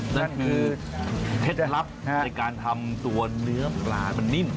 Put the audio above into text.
นั่นคือเคล็ดลับในการทำตัวเนื้อปลาให้มันนิ่ม